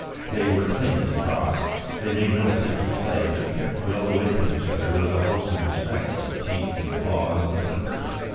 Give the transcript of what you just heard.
They were plainly cross; they made no attempt at play, but kept well away from each other with a wholesome respect for teeth and claws and temper.